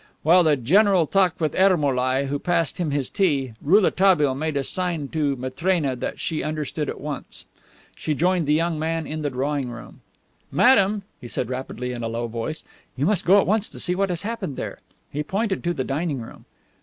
While the general talked with Ermolai, who passed him his tea, Rouletabille made a sign to Matrena that she understood at once. She joined the young man in the drawing room. "Madame," he said rapidly, in a low voice, "you must go at once to see what has happened there." He pointed to the dining room.